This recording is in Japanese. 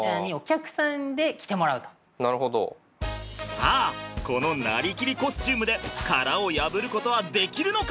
さあこのなりきりコスチュームで殻を破ることはできるのか？